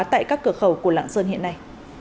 tại các cửa khẩu của lạng sơn hiện nay